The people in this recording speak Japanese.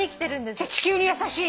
じゃあ地球に優しい。